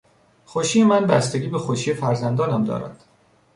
خوشی من بستگی به خوشی فرزندانم دارد.